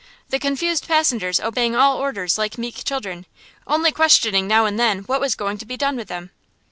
the confused passengers obeying all orders like meek children, only questioning now and then what was going to be done with them.